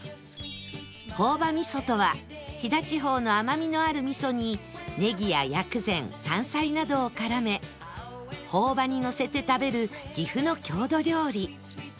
朴葉みそとは飛騨地方の甘みのある味噌にネギや薬膳山菜などを絡め朴葉にのせて食べる岐阜の郷土料理